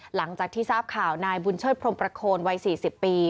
หลังจากที่ทราบข่าวนายบุญเชิดพรมประโคนวัย๔๐ปี